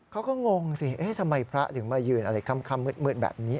งงสิทำไมพระถึงมายืนอะไรค่ำมืดแบบนี้